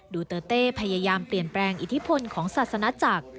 ดูเตอร์เต้พยายามเปลี่ยนแปลงอิทธิพลของศาสนาจักร